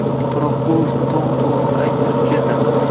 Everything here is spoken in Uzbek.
To‘raqulovni to‘ng‘ich o‘g‘lini ayttirib keldi.